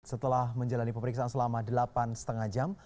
setelah menjalani pemeriksaan selama delapan lima jam